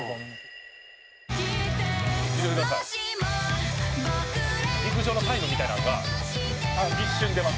「見ててください」「陸上のタイムみたいなんが一瞬出ます」